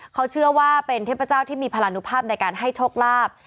เขาเชื่อว่าเป็นเทพเจ้าที่มีพลานุภาพในการให้โชคลาภ